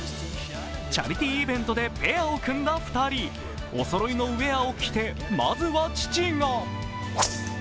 チャリティーイベントでペアを組んだ２人おそろいのウェアを着てまずは父が。